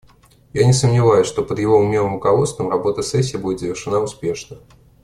Я не сомневаюсь, что под его умелым руководством работа сессии будет завершена успешно.